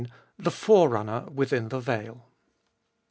THE FORERUNNER WITHIN THE VEIL.